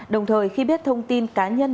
đồng thời khi biết thông tin cá nhân